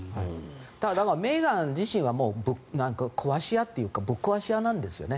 メーガン自身は、怖し屋というかぶっ壊し屋なんですよね。